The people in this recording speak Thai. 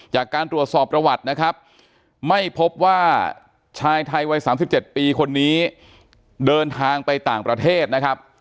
จากการตรวจสอบประวัตินะครับไม่พบว่าชายไทยวัย๓๗ปีคนนี้เดินทางไปต่างประเทศนะครับ